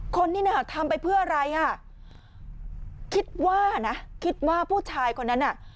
คนนี้น่ะทำไปเพื่ออะไรอ่ะคิดว่านะคิดว่าผู้ชายคนนั้นน่ะ